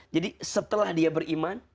jadi setelah dia beriman